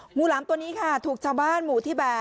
หลามตัวนี้ค่ะถูกชาวบ้านหมู่ที่๘